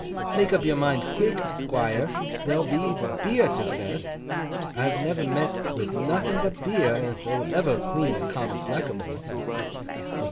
Make up your mind quick, Thquire. There'll be beer to feth. I've never met with nothing but beer ath'll ever clean a comic blackamoor.' Mr.